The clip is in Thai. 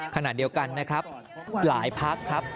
ขณะเดียวกันนะครับหลายพักครับ